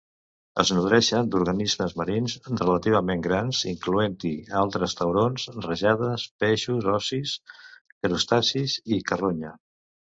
Es nodreixen d'organismes marins relativament grans, incloent-hi altres taurons, rajades, peixos ossis, crustacis i carronya.